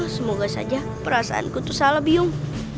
semoga saja perasaanku itu salah bingung